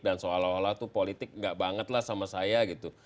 dan seolah olah itu politik enggak bangetlah sama saya gitu